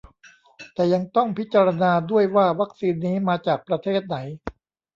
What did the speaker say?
แต่ยังต้องพิจารณาด้วยว่าวัคซีนนี้มาจากประเทศไหน